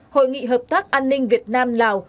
hội nghị hợp tác an ninh việt nam lào